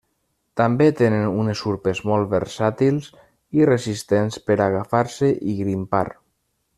També tenen unes urpes molt versàtils i resistents per agafar-se i grimpar.